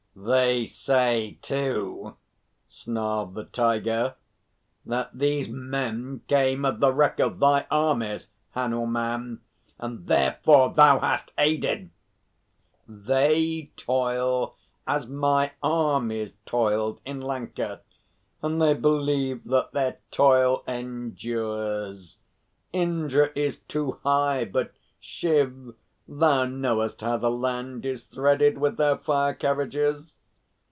"They say, too," snarled the Tiger, "that these men came of the wreck of thy armies, Hanuman, and therefore thou hast aided " "They toil as my armies toiled in Lanka, and they believe that their toil endures. Indra is too high, but Shiv, thou knowest how the land is threaded with their fire carriages."